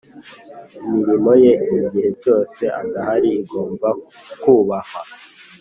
imirimo ye igihe cyose adahari igomba kubahwa